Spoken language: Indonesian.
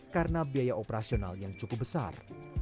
karena biaya operasional yang cukup besar